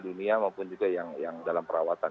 dunia maupun juga yang dalam perawatan